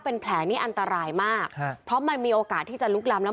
เป็นแผลนี่อันตรายมากฮะเพราะมันมีโอกาสที่จะลุกล้ำแล้ว